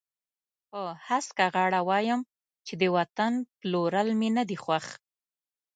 په هسکه غاړه وایم چې د وطن پلورل مې نه دي خوښ.